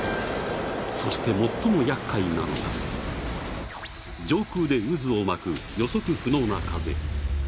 そして最もやっかいなのが上空で渦を巻く予測不能な風。